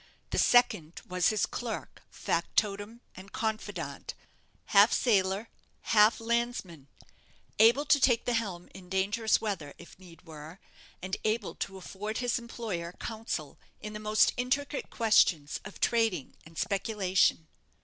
The second was his clerk, factotum, and confidant; half sailor, half landsman; able to take the helm in dangerous weather, if need were; and able to afford his employer counsel in the most intricate questions of trading and speculation.